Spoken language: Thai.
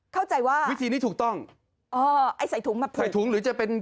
เข้าใจว่าวิธีนี้ถูกต้องอ๋อไอ้ใส่ถุงมาเพิ่มใส่ถุงหรือจะเป็น